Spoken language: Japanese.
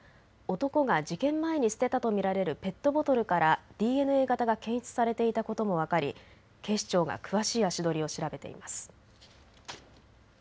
男が事件前に捨てたと見られるペットボトルからＤＮＡ型が検出されていたことも分かり警視庁が詳しい足取りを調べています。